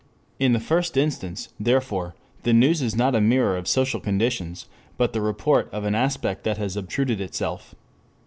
In the first instance, therefore, the news is not a mirror of social conditions, but the report of an aspect that has obtruded itself.